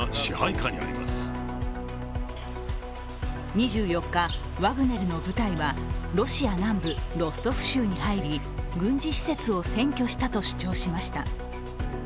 ２４日、ワグネルの部隊はロシア南部ロストフ州に入り軍事施設を占拠したと主張しました。